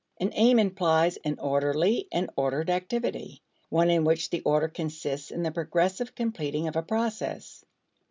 An aim implies an orderly and ordered activity, one in which the order consists in the progressive completing of a process.